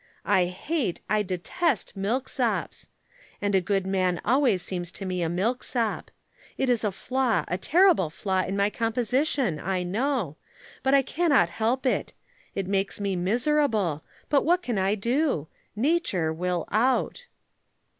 I hate, I detest milksops. And a good man always seems to me a milksop. It is a flaw a terrible flaw in my composition, I know but I cannot help it. It makes me miserable, but what can I do? Nature will out.